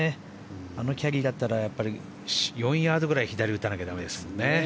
あのキャリーだったら４ヤードぐらい左に打たないとだめですね。